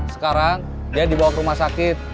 sekarang dia dibawa ke rumah sakit